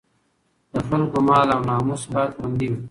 د خلکو مال او ناموس باید خوندي وي.